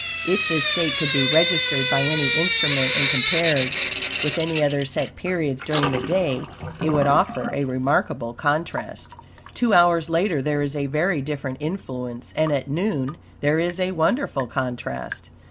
If this state could be registered by any instrument and compared with any other set periods during the day, it would offer a remarkable contrast. Two hours later there is a very different influence, and at noon there is a wonderful contrast.